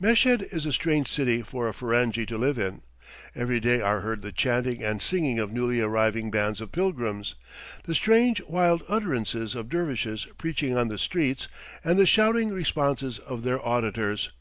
Meshed is a strange city for a Ferenghi to live in; every day are heard the chanting and singing of newly arriving bands of pilgrims, the strange, wild utterances of dervishes preaching on the streets, and the shouting responses of their auditors.